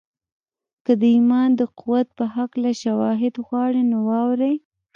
که د ایمان د قوت په هکله شواهد غواړئ نو واورئ